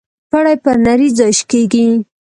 پړى پر نري ځاى شکېږي.